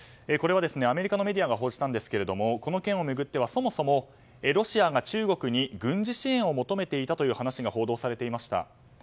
これはアメリカのメディアが報じたんですけれどもこの件を巡ってはそもそも、ロシアが中国に軍事支援を求めていたという話が報道されていました。